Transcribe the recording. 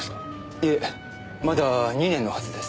いえまだ２年のはずです。